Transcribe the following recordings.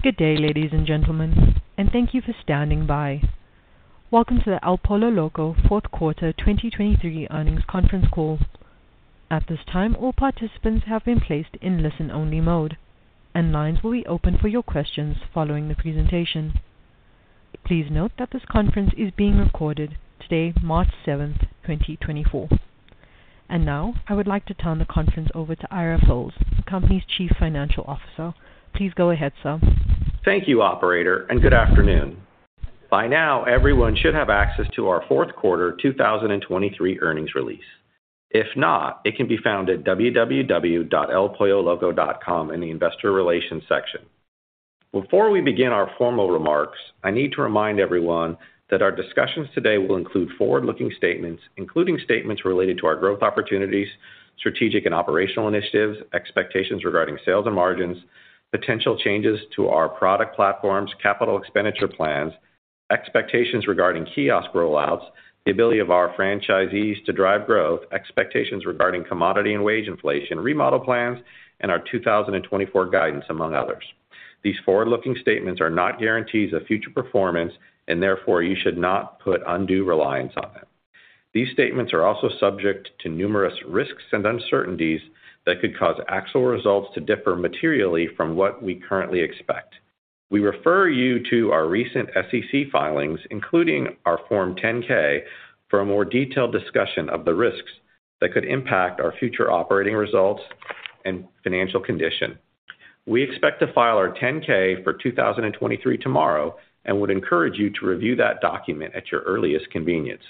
Good day, ladies and gentlemen, and thank you for standing by. Welcome to the El Pollo Loco Fourth Quarter 2023 Earnings Conference Call. At this time, all participants have been placed in listen-only mode, and lines will be open for your questions following the presentation. Please note that this conference is being recorded today, March 7, 2024. Now I would like to turn the conference over to Ira Fils, the company's Chief Financial Officer. Please go ahead, sir. Thank you, Operator, and good afternoon. By now, everyone should have access to our Q4 2023 earnings release. If not, it can be found at www.elpolloloco.com in the Investor Relations section. Before we begin our formal remarks, I need to remind everyone that our discussions today will include forward-looking statements, including statements related to our growth opportunities, strategic and operational initiatives, expectations regarding sales and margins, potential changes to our product platforms, capital expenditure plans, expectations regarding kiosk rollouts, the ability of our franchisees to drive growth, expectations regarding commodity and wage inflation, remodel plans, and our 2024 guidance, among others. These forward-looking statements are not guarantees of future performance, and therefore you should not put undue reliance on them. These statements are also subject to numerous risks and uncertainties that could cause actual results to differ materially from what we currently expect. We refer you to our recent SEC filings, including our Form 10-K, for a more detailed discussion of the risks that could impact our future operating results and financial condition. We expect to file our 10-K for 2023 tomorrow and would encourage you to review that document at your earliest convenience.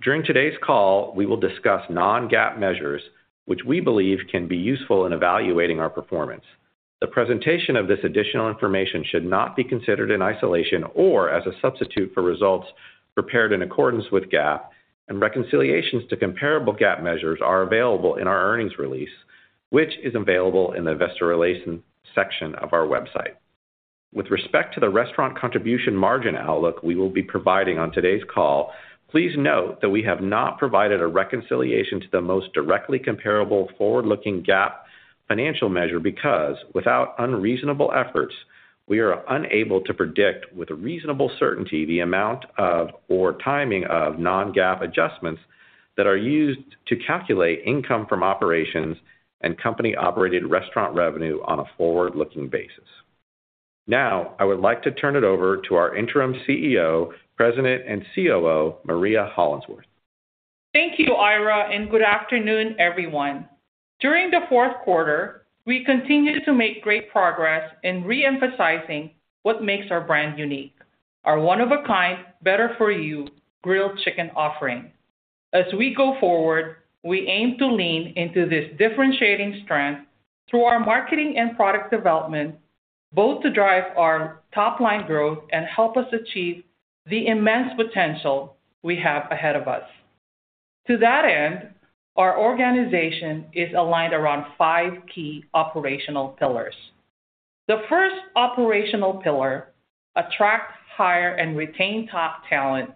During today's call, we will discuss non-GAAP measures, which we believe can be useful in evaluating our performance. The presentation of this additional information should not be considered in isolation or as a substitute for results prepared in accordance with GAAP, and reconciliations to comparable GAAP measures are available in our earnings release, which is available in the Investor Relations section of our website. With respect to the restaurant contribution margin outlook we will be providing on today's call, please note that we have not provided a reconciliation to the most directly comparable forward-looking GAAP financial measure because, without unreasonable efforts, we are unable to predict with reasonable certainty the amount of or timing of non-GAAP adjustments that are used to calculate income from operations and company-operated restaurant revenue on a forward-looking basis. Now I would like to turn it over to our Interim CEO, President and COO, Maria Hollandsworth. Thank you, Ira, and good afternoon, everyone. During the fourth quarter, we continue to make great progress in reemphasizing what makes our brand unique: our one-of-a-kind, better-for-you grilled chicken offering. As we go forward, we aim to lean into this differentiating strength through our marketing and product development, both to drive our top-line growth and help us achieve the immense potential we have ahead of us. To that end, our organization is aligned around five key operational pillars. The first operational pillar, Attract, Hire, and Retain Top Talent,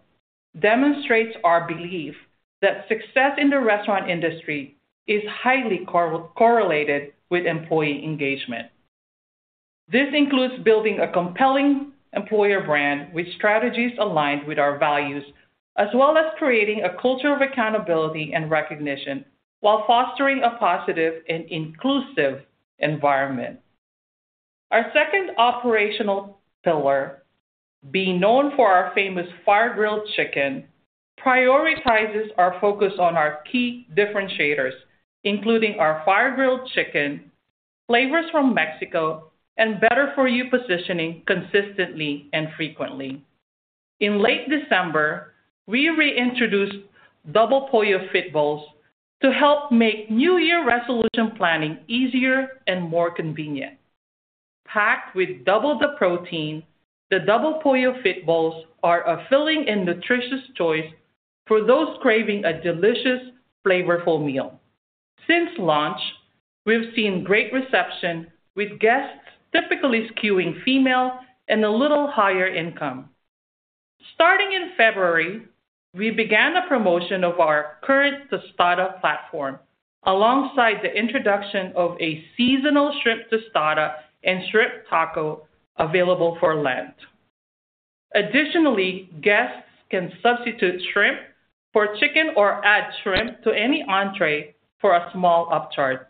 demonstrates our belief that success in the restaurant industry is highly correlated with employee engagement. This includes building a compelling employer brand with strategies aligned with our values, as well as creating a culture of accountability and recognition while fostering a positive and inclusive environment. Our second operational pillar, be Known for our famous fire-grilled chicken, prioritizes our focus on our key differentiators, including our fire-grilled chicken, flavors from Mexico, and better-for-you positioning consistently and frequently. In late December, we reintroduced Double Pollo Fit Bowls to help make New Year resolution planning easier and more convenient. Packed with double the protein, the Double Pollo Fit Bowls are a filling and nutritious choice for those craving a delicious, flavorful meal. Since launch, we've seen great reception, with guests typically skewing female and a little higher income. Starting in February, we began a promotion of our Current Tostada platform, alongside the introduction of a seasonal shrimp tostada and shrimp taco available for Lent. Additionally, guests can substitute shrimp for chicken or add shrimp to any entrée for a small upcharge.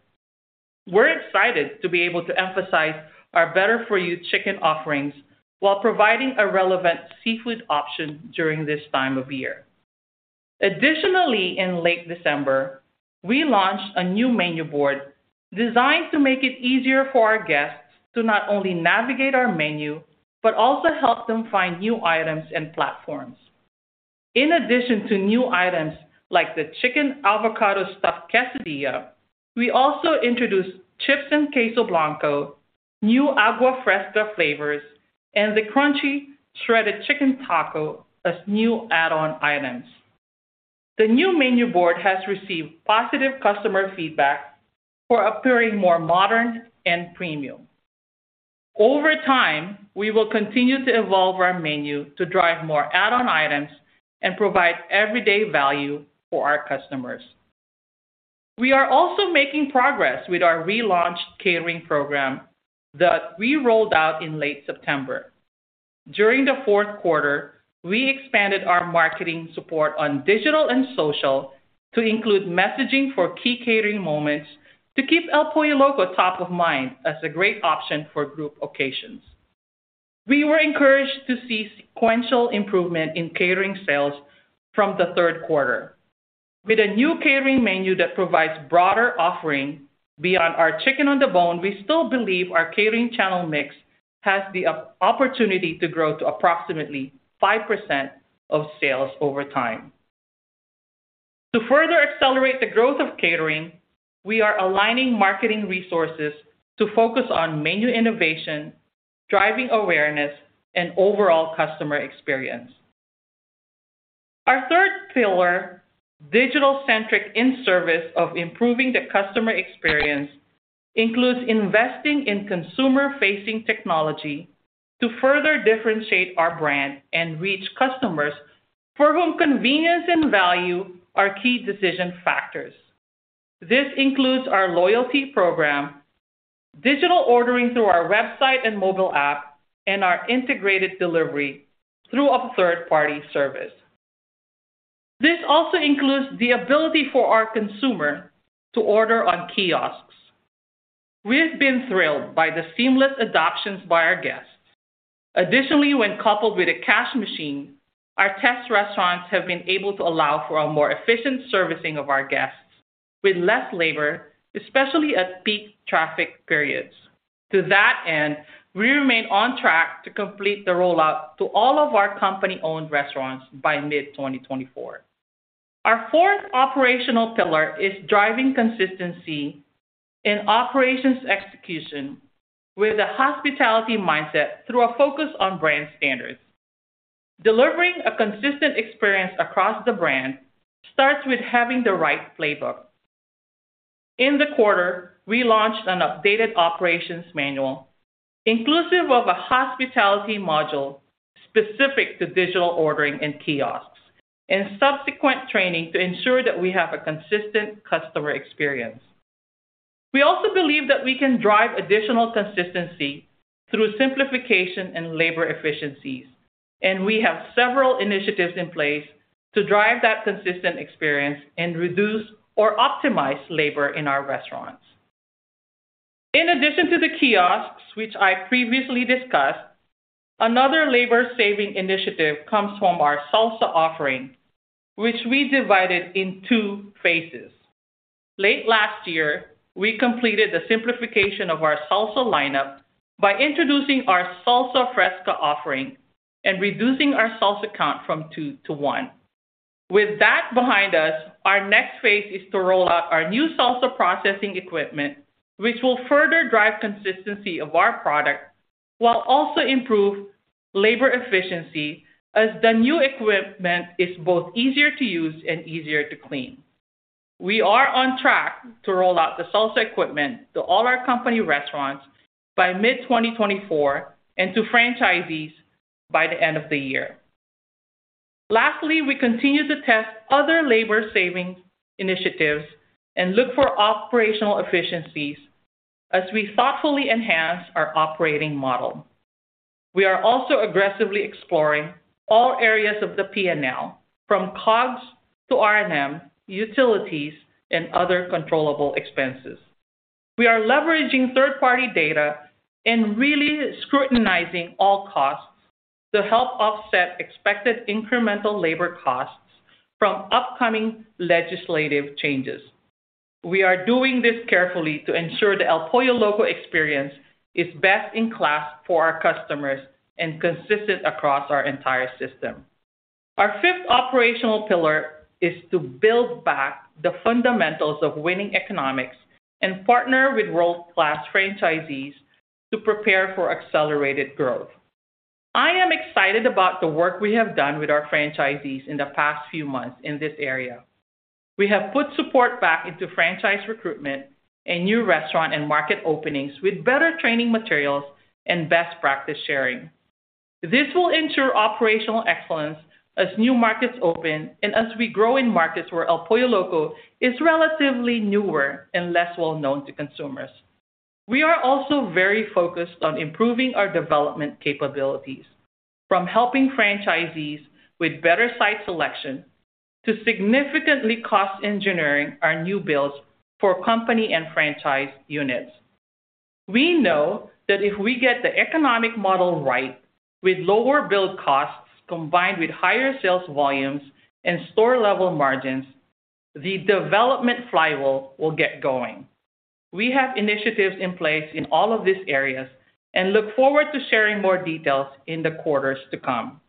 We're excited to be able to emphasize our better-for-you chicken offerings while providing a relevant seafood option during this time of year. Additionally, in late December, we launched a new menu board designed to make it easier for our guests to not only navigate our menu but also help them find new items and platforms. In addition to new items like the Chicken Avocado Stuffed Quesadilla, we also introduced Chips and Queso Blanco, new Agua Fresca flavors, and the Crunchy Shredded Chicken Taco as new add-on items. The new menu board has received positive customer feedback for appearing more modern and premium. Over time, we will continue to evolve our menu to drive more add-on items and provide everyday value for our customers. We are also making progress with our relaunched catering program that we rolled out in late September. During the fourth quarter, we expanded our marketing support on digital and social to include messaging for key catering moments to keep El Pollo Loco top of mind as a great option for group occasions. We were encouraged to see sequential improvement in catering sales from the third quarter. With a new catering menu that provides broader offering beyond our chicken-on-the-bone, we still believe our catering channel mix has the opportunity to grow to approximately 5% of sales over time. To further accelerate the growth of catering, we are aligning marketing resources to focus on menu innovation, driving awareness, and overall customer experience. Our third pillar, Digital-Centric In-Service of Improving the Customer Experience, includes investing in consumer-facing technology to further differentiate our brand and reach customers for whom convenience and value are key decision factors. This includes our loyalty program, digital ordering through our website and mobile app, and our integrated delivery through a third-party service. This also includes the ability for our consumer to order on kiosks. We've been thrilled by the seamless adoptions by our guests. Additionally, when coupled with a cash machine, our test restaurants have been able to allow for a more efficient servicing of our guests with less labor, especially at peak traffic periods. To that end, we remain on track to complete the rollout to all of our company-owned restaurants by mid-2024. Our fourth operational pillar is driving consistency in operations execution with a hospitality mindset through a focus on brand standards. Delivering a consistent experience across the brand starts with having the right playbook. In the quarter, we launched an updated operations manual, inclusive of a hospitality module specific to digital ordering and kiosks, and subsequent training to ensure that we have a consistent customer experience. We also believe that we can drive additional consistency through simplification and labor efficiencies, and we have several initiatives in place to drive that consistent experience and reduce or optimize labor in our restaurants. In addition to the kiosks, which I previously discussed, another labor-saving initiative comes from our salsa offering, which we divided in two phases. Late last year, we completed the simplification of our salsa lineup by introducing our Salsa Fresca offering and reducing our salsa count from two to one. With that behind us, our next phase is to roll out our new salsa processing equipment, which will further drive consistency of our product while also improving labor efficiency as the new equipment is both easier to use and easier to clean. We are on track to roll out the salsa equipment to all our company restaurants by mid-2024 and to franchisees by the end of the year. Lastly, we continue to test other labor-saving initiatives and look for operational efficiencies as we thoughtfully enhance our operating model. We are also aggressively exploring all areas of the P&L, from COGS to R&M, utilities, and other controllable expenses. We are leveraging third-party data and really scrutinizing all costs to help offset expected incremental labor costs from upcoming legislative changes. We are doing this carefully to ensure the El Pollo Loco experience is best-in-class for our customers and consistent across our entire system. Our fifth operational pillar is to build back the fundamentals of winning economics and partner with world-class franchisees to prepare for accelerated growth. I am excited about the work we have done with our franchisees in the past few months in this area. We have put support back into franchise recruitment and new restaurant and market openings with better training materials and best practice sharing. This will ensure operational excellence as new markets open and as we grow in markets where El Pollo Loco is relatively newer and less well-known to consumers. We are also very focused on improving our development capabilities, from helping franchisees with better site selection to significantly cost-engineering our new builds for company and franchise units. We know that if we get the economic model right, with lower build costs combined with higher sales volumes and store-level margins, the development flywheel will get going. We have initiatives in place in all of these areas and look forward to sharing more details in the quarters to come.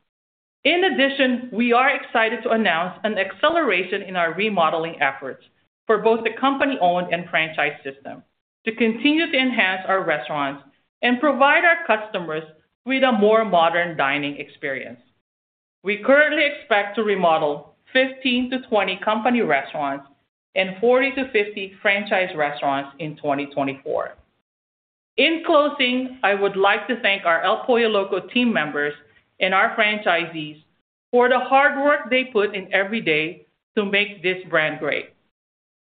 In addition, we are excited to announce an acceleration in our remodeling efforts for both the company-owned and franchise system to continue to enhance our restaurants and provide our customers with a more modern dining experience. We currently expect to remodel 15-20 company restaurants and 40-50 franchise restaurants in 2024. In closing, I would like to thank our El Pollo Loco team members and our franchisees for the hard work they put in every day to make this brand great.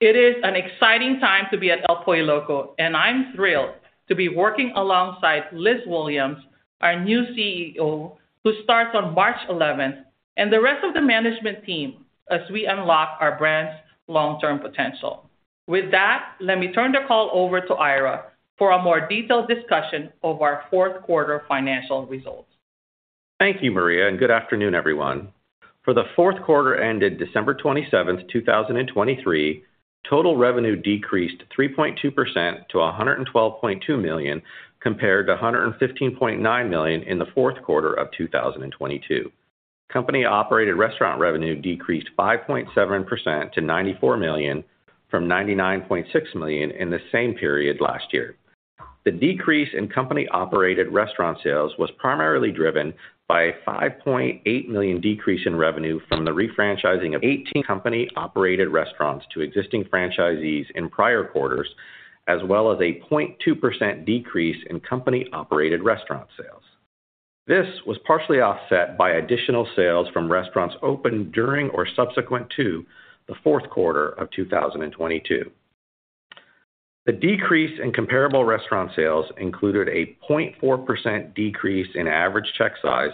It is an exciting time to be at El Pollo Loco, and I'm thrilled to be working alongside Liz Williams, our new CEO, who starts on March 11th, and the rest of the management team as we unlock our brand's long-term potential. With that, let me turn the call over to Ira for a more detailed discussion of our fourth quarter financial results. Thank you, Maria, and good afternoon, everyone. For the fourth quarter ended December 27, 2023, total revenue decreased 3.2% to $112.2 million compared to $115.9 million in the fourth quarter of 2022. Company-operated restaurant revenue decreased 5.7% to $94 million from $99.6 million in the same period last year. The decrease in company-operated restaurant sales was primarily driven by a $5.8 million decrease in revenue from the refranchising of 18 company-operated restaurants to existing franchisees in prior quarters, as well as a 0.2% decrease in company-operated restaurant sales. This was partially offset by additional sales from restaurants opened during or subsequent to the fourth quarter of 2022. The decrease in comparable restaurant sales included a 0.4% decrease in average check size,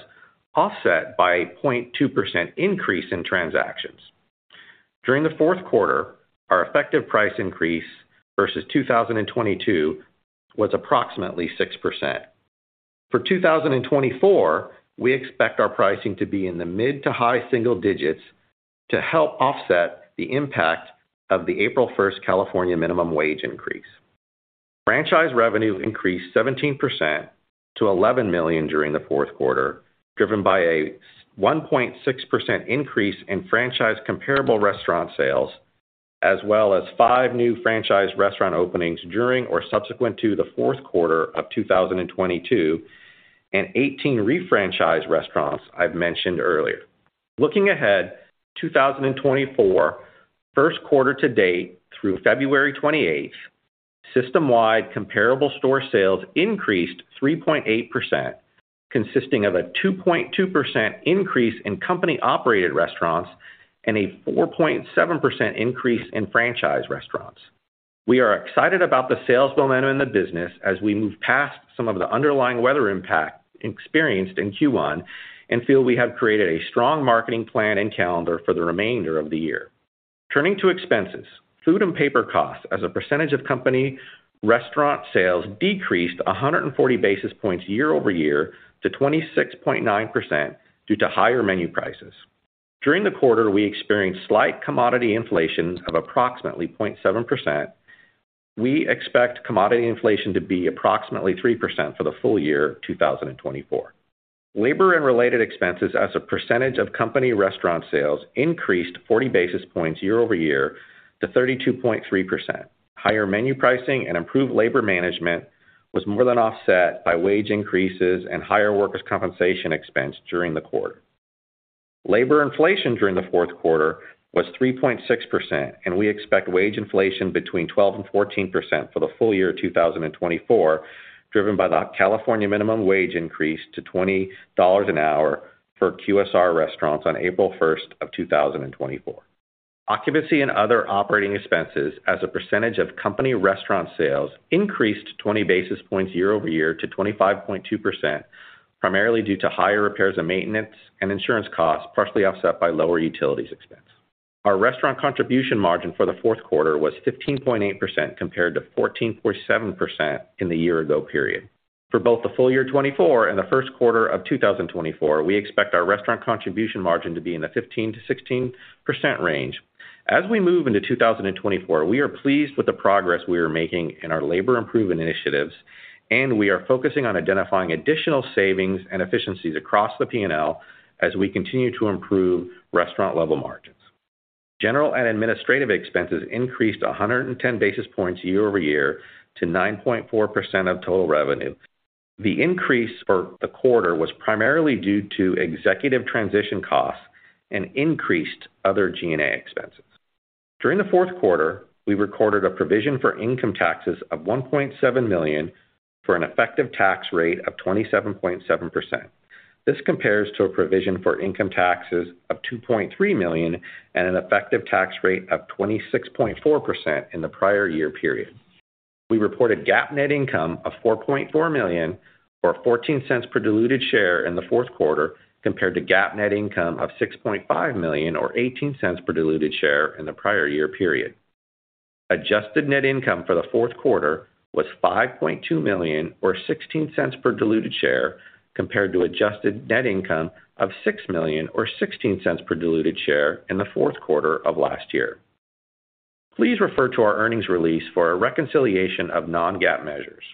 offset by a 0.2% increase in transactions. During the fourth quarter, our effective price increase versus 2022 was approximately 6%. For 2024, we expect our pricing to be in the mid to high single digits to help offset the impact of the April 1st California minimum wage increase. Franchise revenue increased 17% to $11 million during the Q4, driven by a 1.6% increase in franchise comparable restaurant sales, as well as 5 new franchise restaurant openings during or subsequent to the Q4 of 2022 and 18 refranchised restaurants I've mentioned earlier. Looking ahead, 2024, first quarter to date through February 28th, system-wide comparable store sales increased 3.8%, consisting of a 2.2% increase in company-operated restaurants and a 4.7% increase in franchise restaurants. We are excited about the sales momentum in the business as we move past some of the underlying weather impact experienced in Q1 and feel we have created a strong marketing plan and calendar for the remainder of the year. Turning to expenses, food and paper costs as a percentage of company restaurant sales decreased 140 basis points year-over-year to 26.9% due to higher menu prices. During the quarter, we experienced slight commodity inflations of approximately 0.7%. We expect commodity inflation to be approximately 3% for the full year 2024. Labor and related expenses as a percentage of company restaurant sales increased 40 basis points year-over-year to 32.3%. Higher menu pricing and improved labor management was more than offset by wage increases and higher workers' compensation expense during the quarter. Labor inflation during the fourth quarter was 3.6%, and we expect wage inflation between 12% and 14% for the full year 2024, driven by the California minimum wage increase to $20 an hour for QSR restaurants on April 1st of 2024. Occupancy and other operating expenses as a percentage of company restaurant sales increased 20 basis points year-over-year to 25.2%, primarily due to higher repairs and maintenance and insurance costs, partially offset by lower utilities expense. Our restaurant contribution margin for the fourth quarter was 15.8% compared to 14.7% in the year-ago period. For both the full year 2024 and the first quarter of 2024, we expect our restaurant contribution margin to be in the 15%-16% range. As we move into 2024, we are pleased with the progress we are making in our labor improvement initiatives, and we are focusing on identifying additional savings and efficiencies across the P&L as we continue to improve restaurant-level margins. General and administrative expenses increased 110 basis points year-over-year to 9.4% of total revenue. The increase for the quarter was primarily due to executive transition costs and increased other G&A expenses. During the fourth quarter, we recorded a provision for income taxes of $1.7 million for an effective tax rate of 27.7%. This compares to a provision for income taxes of $2.3 million and an effective tax rate of 26.4% in the prior year period. We reported GAAP net income of $4.4 million or $0.14 per diluted share in the fourth quarter compared to GAAP net income of $6.5 million or $0.18 per diluted share in the prior year period. Adjusted net income for the fourth quarter was $5.2 million or $0.16 per diluted share compared to adjusted net income of $6 million or $0.16 per diluted share in the fourth quarter of last year. Please refer to our earnings release for a reconciliation of non-GAAP measures.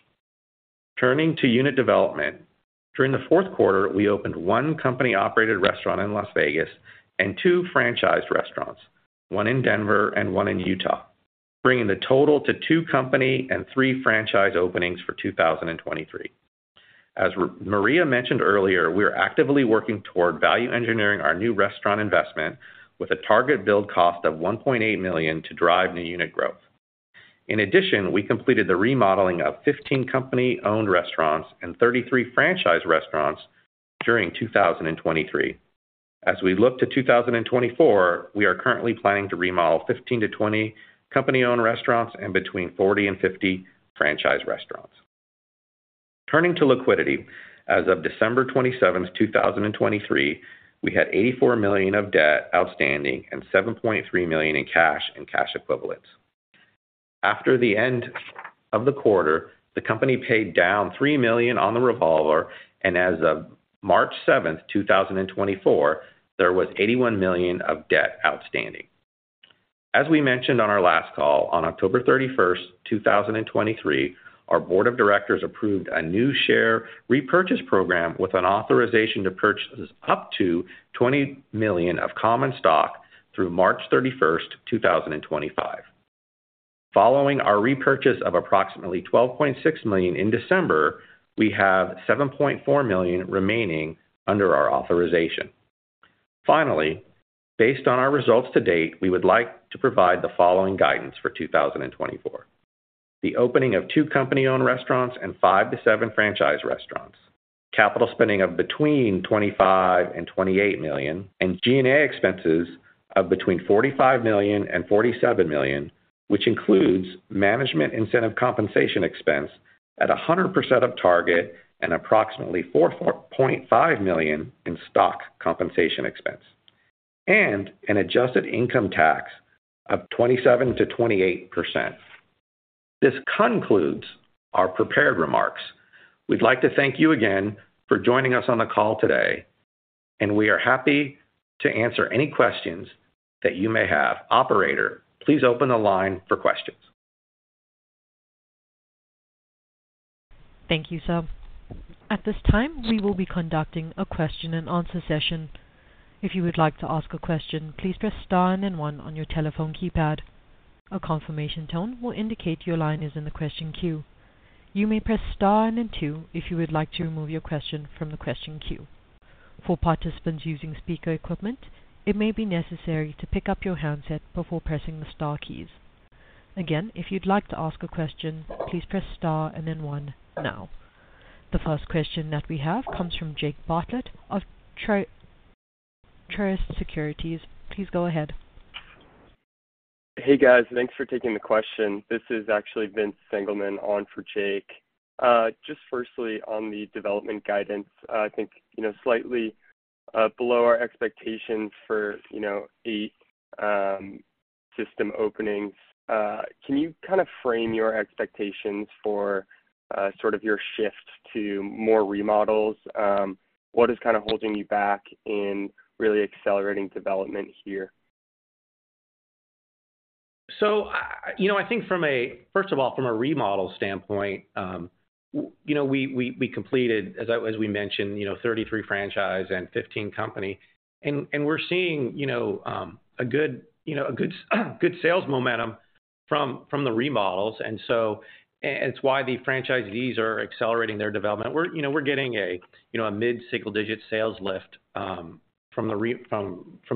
Turning to unit development, during the fourth quarter, we opened one company-operated restaurant in Las Vegas and two franchised restaurants, one in Denver and one in Utah, bringing the total to two company and three franchise openings for 2023. As Maria mentioned earlier, we are actively working toward value engineering our new restaurant investment with a target build cost of $1.8 million to drive new unit growth. In addition, we completed the remodeling of 15 company-owned restaurants and 33 franchise restaurants during 2023. As we look to 2024, we are currently planning to remodel 15-20 company-owned restaurants and between 40 and 50 franchise restaurants. Turning to liquidity, as of December 27, 2023, we had $84 million of debt outstanding and $7.3 million in cash and cash equivalents. After the end of the quarter, the company paid down $3 million on the revolver, and as of March 7, 2024, there was $81 million of debt outstanding. As we mentioned on our last call on October 31, 2023, our board of directors approved a new share repurchase program with an authorization to purchase up to $20 million of common stock through March 31, 2025. Following our repurchase of approximately $12.6 million in December, we have $7.4 million remaining under our authorization. Finally, based on our results to date, we would like to provide the following guidance for 2024: the opening of 2 company-owned restaurants and 5-7 franchise restaurants; capital spending of between $25-$28 million; and G&A expenses of between $45-$47 million, which includes management incentive compensation expense at 100% of target and approximately $4.5 million in stock compensation expense; and an adjusted income tax of 27%-28%. This concludes our prepared remarks. We'd like to thank you again for joining us on the call today, and we are happy to answer any questions that you may have. Operator, please open the line for questions. Thank you, sir. At this time, we will be conducting a question-and-answer session. If you would like to ask a question, please press star and then one on your telephone keypad. A confirmation tone will indicate your line is in the question queue. You may press star and then two if you would like to remove your question from the question queue. For participants using speaker equipment, it may be necessary to pick up your handset before pressing the star keys. Again, if you'd like to ask a question, please press star and then one now. The first question that we have comes from Jake Bartlett of Truist Securities. Please go ahead. Hey, guys. Thanks for taking the question. This is actually Vince Sengelmann on for Jake. Just firstly, on the development guidance, I think slightly below our expectations for 8 system openings, can you kind of frame your expectations for sort of your shift to more remodels? What is kind of holding you back in really accelerating development here? So I think, first of all, from a remodel standpoint, we completed, as we mentioned, 33 franchise and 15 company. And we're seeing a good sales momentum from the remodels, and so it's why the franchisees are accelerating their development. We're getting a mid-single digit sales lift from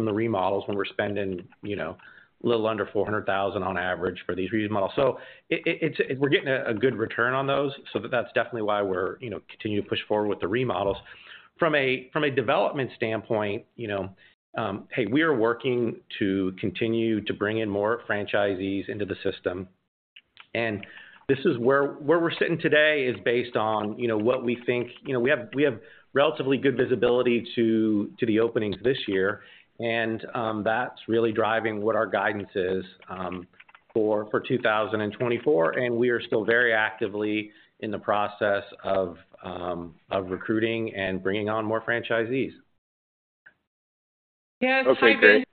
the remodels when we're spending a little under $400,000 on average for these remodels. So we're getting a good return on those, so that's definitely why we're continuing to push forward with the remodels. From a development standpoint, hey, we are working to continue to bring in more franchisees into the system. And where we're sitting today is based on what we think we have relatively good visibility to the openings this year, and that's really driving what our guidance is for 2024. And we are still very actively in the process of recruiting and bringing on more franchisees. Yes, I agree.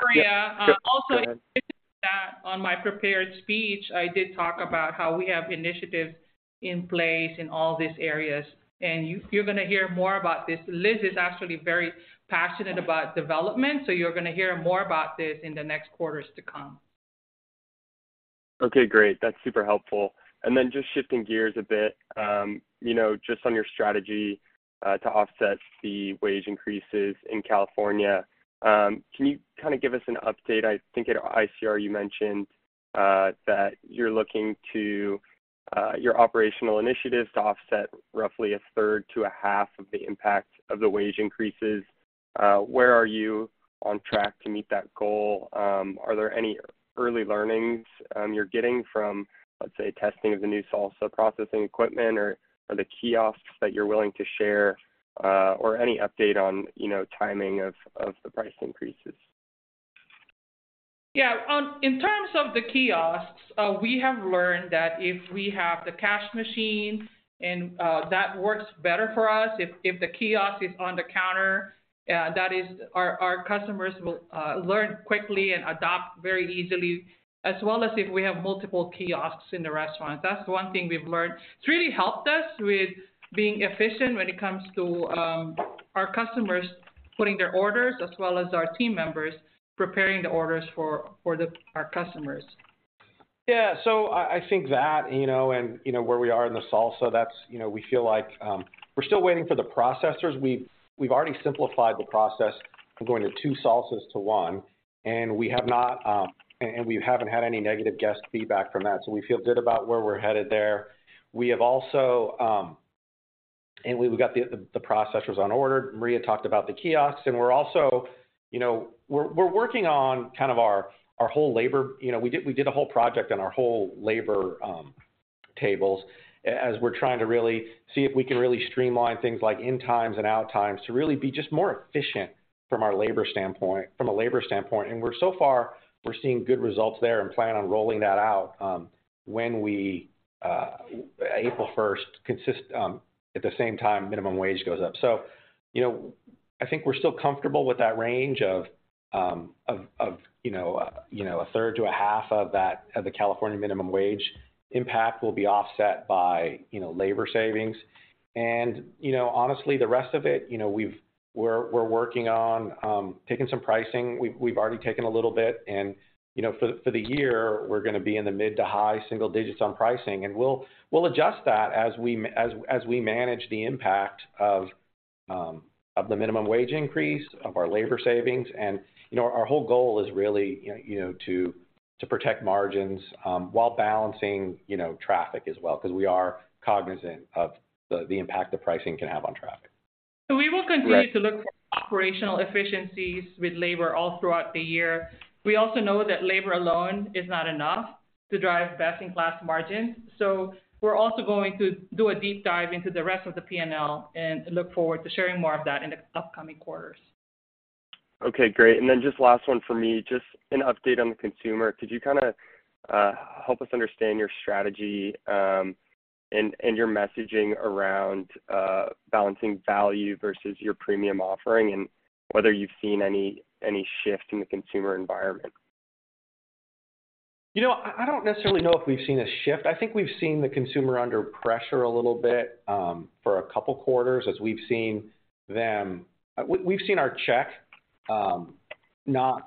Maria, also, in addition to that, on my prepared speech, I did talk about how we have initiatives in place in all these areas, and you're going to hear more about this. Liz is actually very passionate about development, so you're going to hear more about this in the next quarters to come. Okay, great. That's super helpful. And then just shifting gears a bit, just on your strategy to offset the wage increases in California, can you kind of give us an update? I think at ICR you mentioned that you're looking to your operational initiatives to offset roughly a third to a half of the impact of the wage increases. Where are you on track to meet that goal? Are there any early learnings you're getting from, let's say, testing of the new salsa processing equipment or the kiosks that you're willing to share, or any update on timing of the price increases? Yeah. In terms of the kiosks, we have learned that if we have the cash machine, and that works better for us. If the kiosk is on the counter, our customers will learn quickly and adopt very easily, as well as if we have multiple kiosks in the restaurants. That's one thing we've learned. It's really helped us with being efficient when it comes to our customers putting their orders, as well as our team members preparing the orders for our customers. Yeah. So I think that, and where we are in the salsa, we feel like we're still waiting for the processors. We've already simplified the process from going to two salsas to one, and we haven't had any negative guest feedback from that. So we feel good about where we're headed there. And we've got the processors on order. Maria talked about the kiosks, and we're also working on kind of our whole labor. We did a whole project on our whole labor tables as we're trying to really see if we can really streamline things like in-times and out-times to really be just more efficient from a labor standpoint. And so far, we're seeing good results there and plan on rolling that out when we, April 1st, at the same time, minimum wage goes up. So I think we're still comfortable with that range of a third to a half of the California minimum wage impact will be offset by labor savings. And honestly, the rest of it, we're working on taking some pricing. We've already taken a little bit. And for the year, we're going to be in the mid- to high-single digits on pricing, and we'll adjust that as we manage the impact of the minimum wage increase, of our labor savings. And our whole goal is really to protect margins while balancing traffic as well, because we are cognizant of the impact the pricing can have on traffic. So we will continue to look for operational efficiencies with labor all throughout the year. We also know that labor alone is not enough to drive best-in-class margins. So we're also going to do a deep dive into the rest of the P&L and look forward to sharing more of that in the upcoming quarters. Okay, great. And then just last one for me, just an update on the consumer. Could you kind of help us understand your strategy and your messaging around balancing value versus your premium offering and whether you've seen any shift in the consumer environment? I don't necessarily know if we've seen a shift. I think we've seen the consumer under pressure a little bit for a couple of quarters as we've seen them. We've seen our check not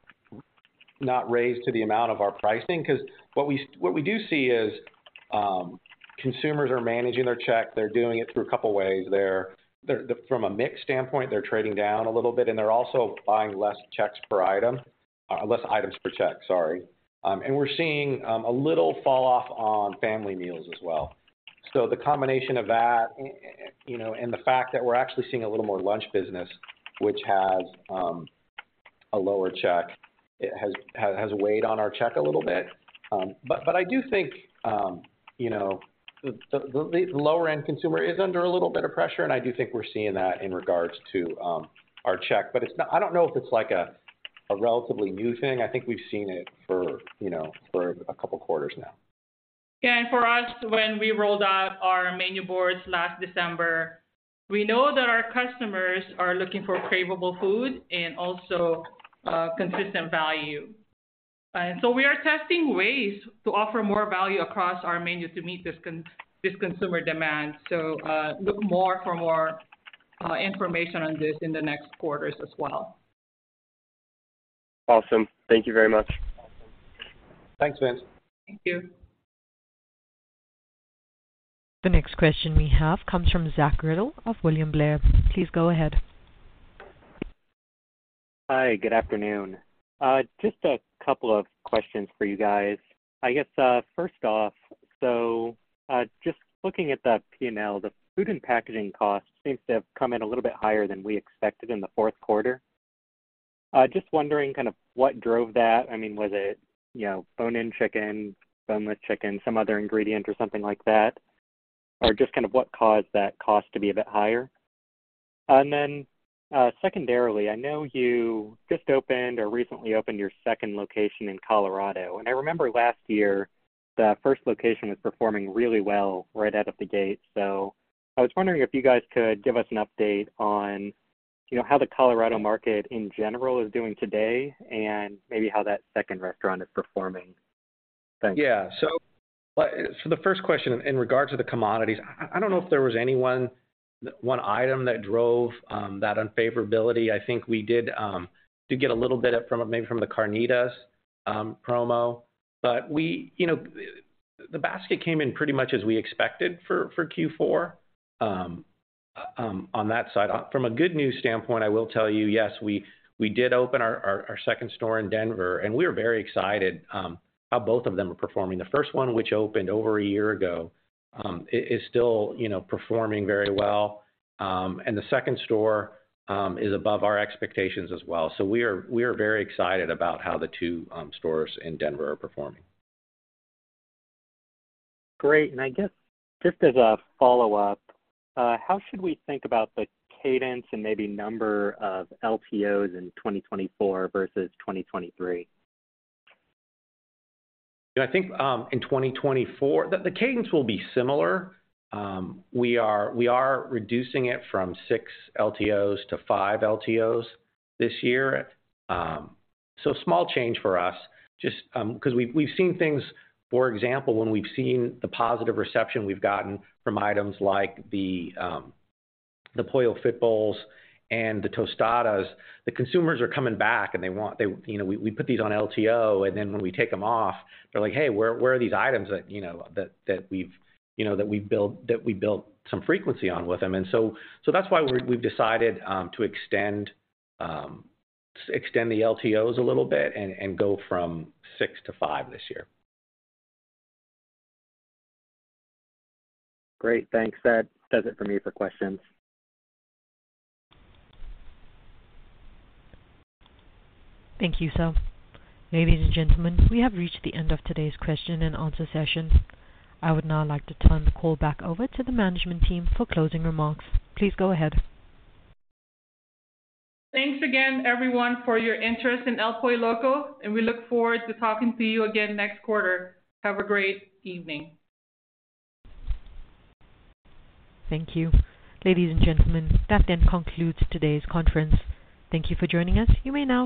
raise to the amount of our pricing because what we do see is consumers are managing their check. They're doing it through a couple of ways. From a mixed standpoint, they're trading down a little bit, and they're also buying less checks per item, less items per check, sorry. And we're seeing a little falloff on family meals as well. So the combination of that and the fact that we're actually seeing a little more lunch business, which has a lower check, has weighed on our check a little bit. But I do think the lower-end consumer is under a little bit of pressure, and I do think we're seeing that in regards to our check. But I don't know if it's a relatively new thing. I think we've seen it for a couple of quarters now. Yeah. And for us, when we rolled out our menu boards last December, we know that our customers are looking for cravable food and also consistent value. And so we are testing ways to offer more value across our menu to meet this consumer demand. So look more for more information on this in the next quarters as well. Awesome. Thank you very much. Thanks, Vince. Thank you. The next question we have comes from Zach Riddle of William Blair. Please go ahead. Hi. Good afternoon. Just a couple of questions for you guys. I guess, first off, so just looking at the P&L, the food and packaging cost seems to have come in a little bit higher than we expected in the fourth quarter. Just wondering kind of what drove that. I mean, was it bone-in chicken, boneless chicken, some other ingredient, or something like that? Or just kind of what caused that cost to be a bit higher? And then secondarily, I know you just opened or recently opened your second location in Colorado. And I remember last year, the first location was performing really well right out of the gate. So I was wondering if you guys could give us an update on how the Colorado market in general is doing today and maybe how that second restaurant is performing. Thanks. Yeah. So for the first question, in regards to the commodities, I don't know if there was one item that drove that unfavorability. I think we did get a little bit from it maybe from the Carnitas promo. But the basket came in pretty much as we expected for Q4 on that side. From a good news standpoint, I will tell you, yes, we did open our second store in Denver, and we were very excited how both of them are performing. The first one, which opened over a year ago, is still performing very well. And the second store is above our expectations as well. So we are very excited about how the two stores in Denver are performing. Great. I guess just as a follow-up, how should we think about the cadence and maybe number of LTOs in 2024 versus 2023? I think in 2024, the cadence will be similar. We are reducing it from 6 LTOs to 5 LTOs this year. So small change for us just because we've seen things, for example, when we've seen the positive reception we've gotten from items like the Pollo Fit Bowls and the Tostadas, the consumers are coming back and they want we put these on LTO, and then when we take them off, they're like, "Hey, where are these items that we've built some frequency on with them?" And so that's why we've decided to extend the LTOs a little bit and go from 6 to 5 this year. Great. Thanks. That does it for me for questions. Thank you, sir. Ladies and gentlemen, we have reached the end of today's question-and-answer session. I would now like to turn the call back over to the management team for closing remarks. Please go ahead. Thanks again, everyone, for your interest in El Pollo Loco, and we look forward to talking to you again next quarter. Have a great evening. Thank you. Ladies and gentlemen, that then concludes today's conference. Thank you for joining us. You may now.